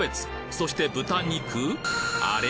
そして豚肉あれ？